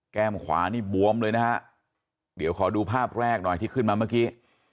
ขวานี่บวมเลยนะฮะเดี๋ยวขอดูภาพแรกหน่อยที่ขึ้นมาเมื่อกี้